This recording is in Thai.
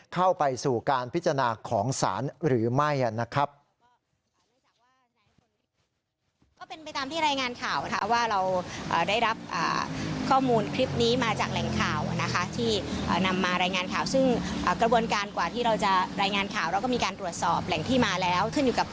เข้าไปสู่การพิจารณาของศาลหรือไม่นะครับ